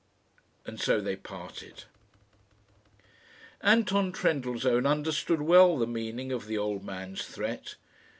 And so they parted. Anton Trendellsohn understood well the meaning of the old man's threat.